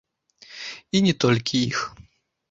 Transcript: І не толькі іх.